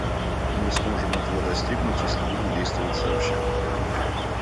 Мы сможем этого достигнуть, если будем действовать сообща.